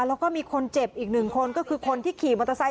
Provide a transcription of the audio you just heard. แล้วก็มีคนเจ็บอีกหนึ่งคนก็คือคนที่ขี่มอเตอร์ไซค